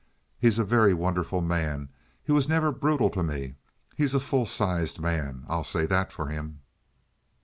"He's a very wonderful man. He was never brutal to me. He's a full sized man—I'll say that for him."